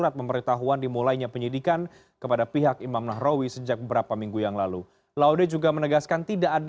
tim liputan cnn indonesia